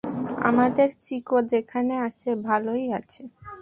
আমাদের চিকো যেখানে আছে, ভালোই আছে!